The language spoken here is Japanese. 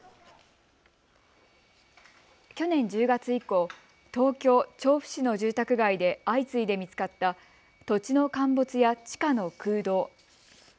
去年１０月以降、東京調布市の住宅街で相次いで見つかった土地の陥没や地下の空洞。